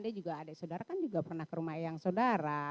dia juga adik saudara kan juga pernah ke rumah eyang saudara